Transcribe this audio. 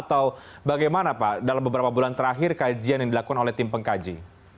atau bagaimana pak dalam beberapa bulan terakhir kajian yang dilakukan oleh tim pengkaji